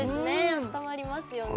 あったまりますよね。